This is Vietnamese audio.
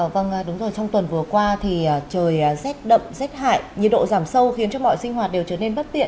vâng đúng rồi trong tuần vừa qua thì trời rét đậm rét hại nhiệt độ giảm sâu khiến cho mọi sinh hoạt đều trở nên bất tiện